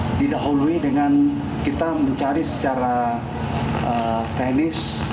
ini tidak harus dilakukan dengan cara ikut cara teknis